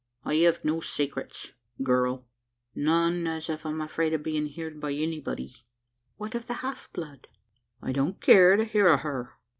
"I have no saycrets, girl none as I'm afraid o' bein' heerd by anybody." "What of the half blood?" "I don't care to hear o' her."